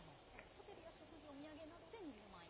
ホテルや食事、お土産などで２０万円？